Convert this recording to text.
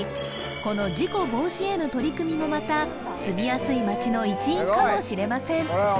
この事故防止への取り組みもまた住みやすい街の一因かもしれません